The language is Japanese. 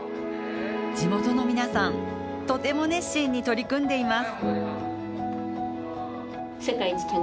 地元の皆さんとても熱心に取り組んでいます。